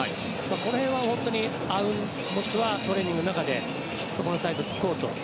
この辺は本当に、あうんもしくはトレーニングの中でそのサイドを突こうと。